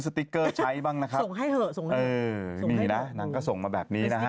ติ๊กเกอร์ใช้บ้างนะครับส่งให้เถอะส่งให้เออมีนะนางก็ส่งมาแบบนี้นะฮะ